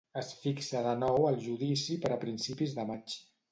Es fixa de nou el judici per a principis de maig.